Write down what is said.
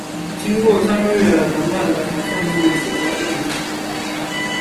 经过三个月谈判才正式组成政府。